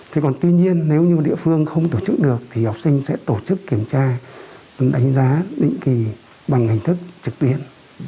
thế còn tuy nhiên nếu như địa phương không tổ chức được thì học sinh sẽ tổ chức kiểm tra đánh giá định kỳ bằng hình thức trực tuyến